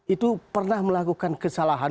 itu pernah melakukan kesalahan